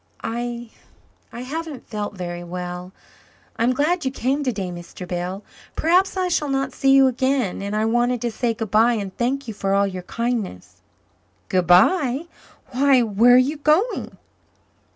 "I I haven't felt very well. I'm glad you came today, Mr. Bell. Perhaps I shall not see you again, and I wanted to say goodbye and thank you for all your kindness." "Goodbye? Why, where are you going?"